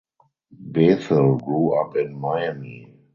Bethel grew up in Miami.